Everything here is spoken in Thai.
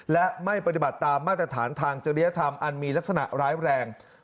และไม่ปฏิบัติตามมาตรฐานทางจริยธรรมอันมีลักษณะร้ายแรง